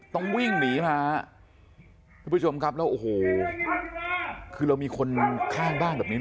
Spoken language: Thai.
ต้องวิ่งหนีมาทุกผู้ชมครับแล้วโอ้โหคือเรามีคนข้างบ้านแบบนี้